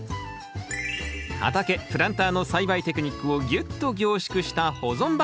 畑プランターの栽培テクニックをぎゅっと凝縮した保存版。